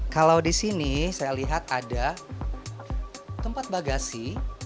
kalau disini saya lihat ada tempat bagasi